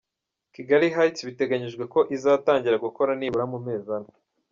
Kigali Heights biteganyijwe ko izatangira gukora nibura mu mezi ane.